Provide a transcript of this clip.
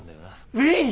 ウィーン！？